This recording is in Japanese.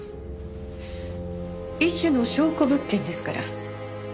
一種の証拠物件ですから。